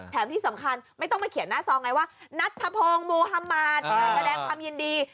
ที่สำคัญไม่ต้องมาเขียนหน้าซองไงว่านัทธพงศ์มุฮัมมาตรแสดงความยินดี